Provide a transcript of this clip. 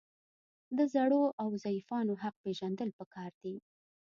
د زړو او ضعیفانو حق پیژندل پکار دي.